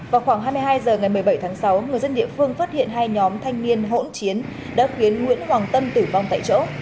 vào khoảng hai mươi hai h ngày một mươi bảy tháng sáu người dân địa phương phát hiện hai nhóm thanh niên hỗn chiến đã khiến nguyễn hoàng tâm tử vong tại chỗ